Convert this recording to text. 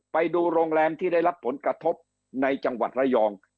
ไปดูโรงแรมที่ได้รับผลกระทบในจังหวัดระยอง